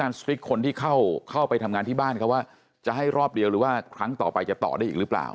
สตริกคนที่เข้าไปทำงานที่บ้านเขาว่าจะให้รอบเดียวหรือว่าครั้งต่อไปจะต่อได้อีกหรือเปล่า